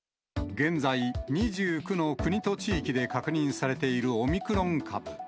現在、２９の国と地域で確認されているオミクロン株。